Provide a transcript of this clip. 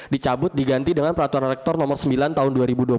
dicabut diganti dengan peraturan rektor nomor sembilan tahun dua ribu dua puluh